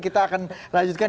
kita akan lanjutkan